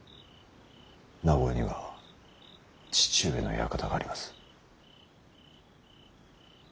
名越には父上の館があります。